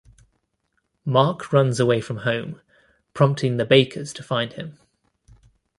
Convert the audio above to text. Mark runs away from home, prompting the Bakers to find him.